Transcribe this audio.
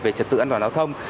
về trật tự an toàn lao thông